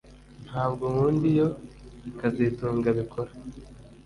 Ntabwo nkunda iyo kazitunga abikora